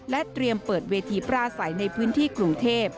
เตรียมเปิดเวทีปราศัยในพื้นที่กรุงเทพ